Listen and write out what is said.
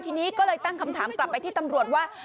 ทีนี้ก็เลยตั้งคำถามกลับไปที่ตำรวจว่า